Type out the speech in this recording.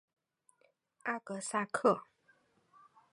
阿格萨克。